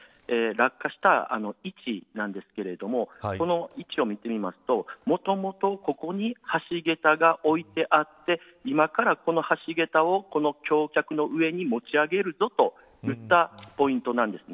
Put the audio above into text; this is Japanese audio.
落下した位置なんですけれどもこの位置を見てみますともともとここに橋げたが置いてあって今からこの橋げたをこの橋脚の上に持ち上げるぞといったポイントなんです。